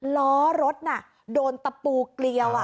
ล้อรถน่ะโดนตะปูเกลียว